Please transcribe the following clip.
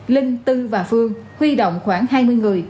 linh tư và phương huy động khoảng hai mươi người